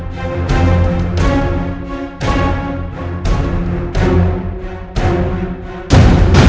sampai jumpa gak